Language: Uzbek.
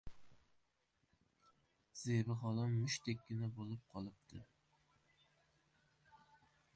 Zebi xola mushtdekkina bo‘lib qolibdi.